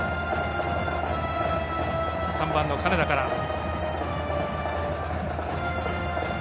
３番の金田から。